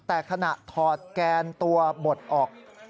แต่ขณะถอดแกนตัวบดออก